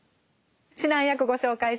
指南役ご紹介します。